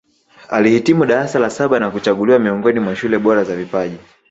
Alihitimu darasa la saba na kuchaguliwa miongoni mwa shule bora za vipaji